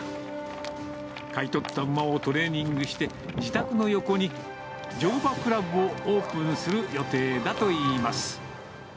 買い取った馬をトレーニングして、自宅の横に乗馬クラブをオープンする予定だといいます。